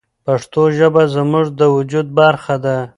پښتو ژبه زموږ د وجود برخه ده.